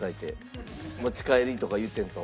「持ち帰り」とか言うてんと。